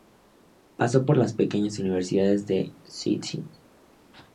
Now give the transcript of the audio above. Pasó por las pequeñas universidades de St.